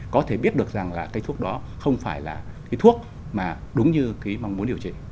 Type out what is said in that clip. có thể biết được rằng là cái thuốc đó không phải là cái thuốc mà đúng như cái mong muốn điều trị